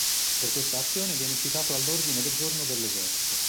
Per questa azione viene citato all'Ordine del giorno dell'Esercito.